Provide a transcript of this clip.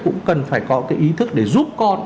cũng cần phải có cái ý thức để giúp con